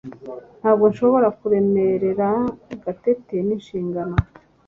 Ntabwo nshobora kuremerera Gatete n'inshingano